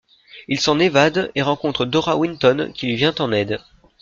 Il s'en évade et rencontre Dora Winton qui lui vient en aide...